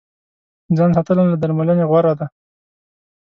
ځان ساتنه له درملنې غوره ده.